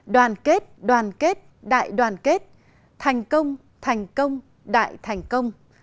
đoàn kết đoàn kết đại đoàn kết thành công thành công đại thành công